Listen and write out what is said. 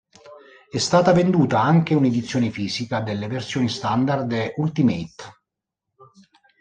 È stata venduta anche un’edizione fisica delle versioni "Standard" e "Ultimate".